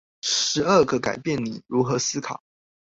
十二個改變你如何思考